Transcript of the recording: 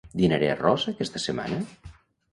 Dinaré arròs aquesta setmana?